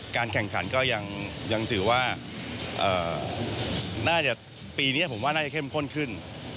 การแข่งขันก็ยังถือว่าน่าจะปีนี้ผมว่าน่าจะเข้มข้นขึ้น